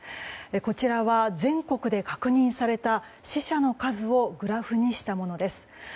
こちらは全国で確認された死者の数をグラフにしたものです。